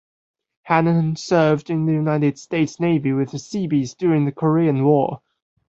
Hanahan served in the United States Navy with the Seabees during the Korean War.